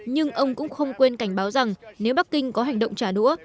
nhưng ông cũng không quên cảnh báo rằng nếu bắc kinh có hành động trả đũa